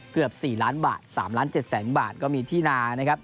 เกือบ๔ล้านบาท๓ล้าน๗แสนบาทก็มีที่นานะครับ